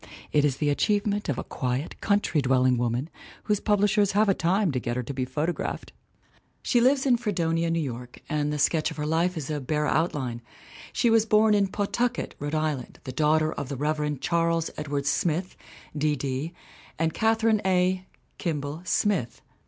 It is the achievement of a quiet, country dwelling woman whose publishers have a time to get her to be photographed! She lives in Fredonia, New York, and the sketch of her life is a bare outline. She was born in Pawtucket, Rhode Island, the daughter of the Rev. Charles Ed wards Smith, D.D., and Catherine A. (Kimball) Smith.